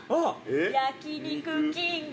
焼肉きんぐ。